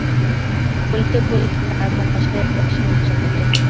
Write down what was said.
বলিতে বলিতে নাগ-মহাশয়ের প্রসঙ্গ চলিতে লাগিল।